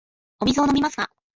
お水を飲みますか。